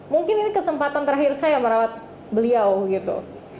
mungkin ini kesempatan terakhir saya merawat beliau gitu